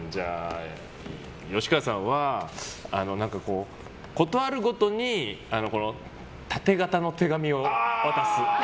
吉川さんは、ことあるごとに縦型の手紙を渡す。